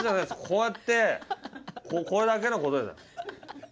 こうやって、これだけのこと。